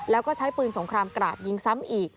แล้วก็ใช้ปืนสงครามกราดยิงซ้ำอีก